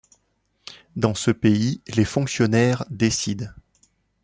Dans ce pays, les fonctionnaires décident.